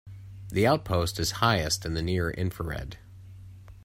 The output is highest in the near infrared.